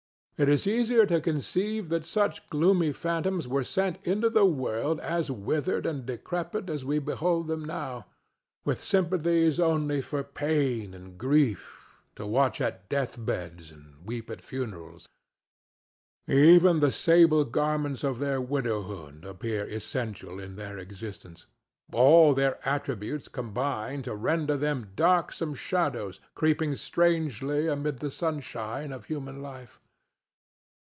It is easier to conceive that such gloomy phantoms were sent into the world as withered and decrepit as we behold them now, with sympathies only for pain and grief, to watch at death beds and weep at funerals. Even the sable garments of their widowhood appear essential to their existence; all their attributes combine to render them darksome shadows creeping strangely amid the sunshine of human life.